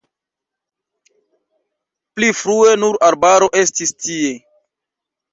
Pli frue nur arbaro estis tie.